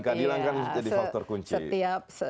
keadilan kan jadi faktor kunci